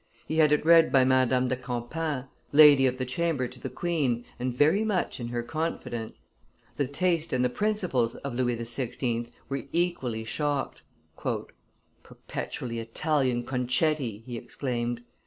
He had it read by Madame de Campan, lady of the chamber to the queen, and very much in her confidence. The taste and the principles of Louis XVI. were equally shocked. "Perpetually Italian concetti!" he exclaimed.